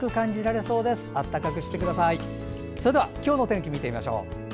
それでは今日の天気見てみましょう。